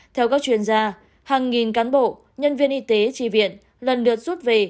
theo các chuyên gia hàng nghìn cán bộ nhân viên y tế tri viện lần lượt rút về